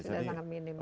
sudah sangat minim ya